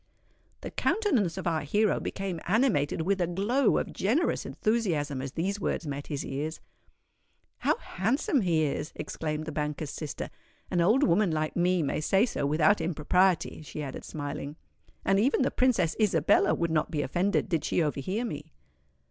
The countenance of our hero became animated with a glow of generous enthusiasm as these words met his ears. "How handsome he is!" exclaimed the banker's sister. "An old woman like me may say so without impropriety," she added smiling; "and even the Princess Isabella would not be offended, did she overhear me."